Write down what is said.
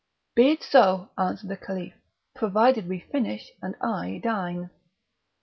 "Be it so," answered the Caliph, "provided we finish and I dine."